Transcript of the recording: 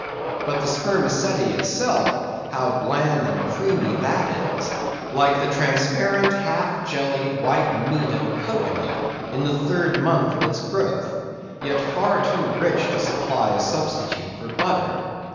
But the spermaceti itself, how bland and creamy that is; like the transparent, half jellied, white meat of a cocoanut in the third month of its growth, yet far too rich to supply a substitute for butter.